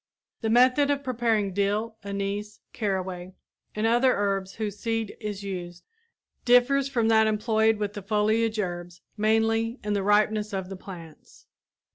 The method of preparing dill, anise, caraway and other herbs whose seed is used, differs from that employed with the foliage herbs mainly in the ripeness of the plants.